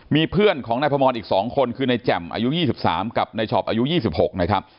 มีเพื่อนของนายพมรอีก๒คนคือในแจ่มอายุ๒๓กับนายช็อปอายุ๒๖นะครับ